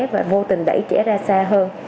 và vô tình đẩy trẻ ra xa hơn